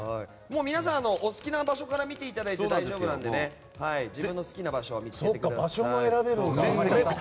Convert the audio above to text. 皆さん、お好きな場所から見ていただいて大丈夫なので自分の好きな場所を見つけてください。